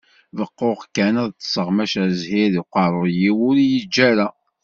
Beɣɣuɣ kan ad ṭṭseɣ maca zzhir deg uqerru-w ur yi-iǧǧa ara.